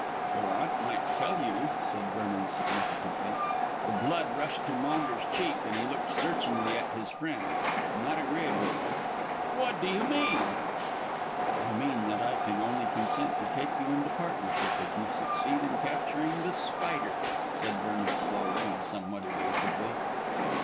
"Your aunt might tell you," said Vernon significantly. The blood rushed to Maunders' cheek, and he looked searchingly at his friend, but not agreeably. "What do you mean?" "I mean that I can only consent to take you into partnership if you succeed in capturing The Spider," said Vernon slowly and somewhat evasively.